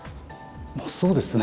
そうですね